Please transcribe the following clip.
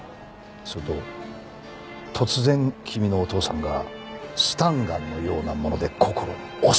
すると突然君のお父さんがスタンガンのようなものでこころに襲いかかった。